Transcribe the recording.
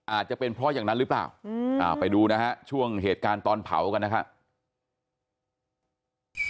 อาจจะเป็นเพราะอย่างนั้นหรือเปล่าไปดูนะฮะช่วงเหตุการณ์ตอนเผากันนะครับ